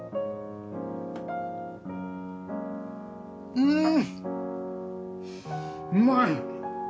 うんうまい！